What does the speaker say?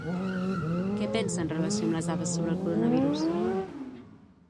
Què pensa en relació amb les dades sobre el coronavirus?